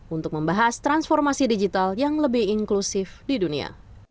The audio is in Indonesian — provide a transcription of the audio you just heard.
untuk membahas transformasi digital yang lebih inklusif di dunia